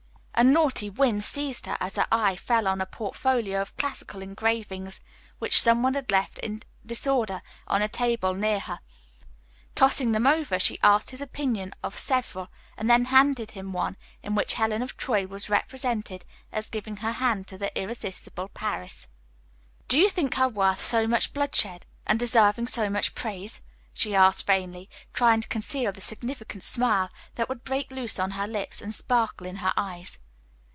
A naughty whim seized her as her eye fell on a portfolio of classical engravings which someone had left in disorder on a table near her. Tossing them over she asked his opinion of several, and then handed him one in which Helen of Troy was represented as giving her hand to the irresistible Paris. "Do you think her worth so much bloodshed, and deserving so much praise?" she asked, vainly trying to conceal the significant smile that would break loose on her lips and sparkle in her eyes.